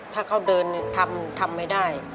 ถ้าเขาเดินทำไม่ได้